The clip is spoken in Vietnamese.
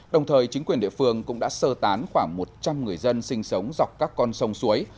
đồng thời chính quyền địa phương cũng đã sơ tán khoảng một trăm linh người dân sinh sống dọc các con sông suối